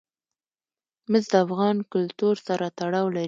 مس د افغان کلتور سره تړاو لري.